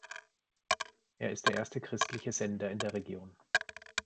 Er ist der erste christliche Sender in der Region.